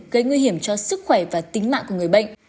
gây nguy hiểm cho sức khỏe và tính mạng của người bệnh